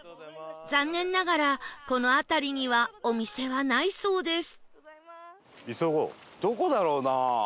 残念ながらこの辺りにはお店はないそうです